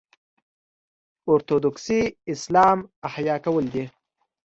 اورتوډوکسي اسلام احیا کول دي.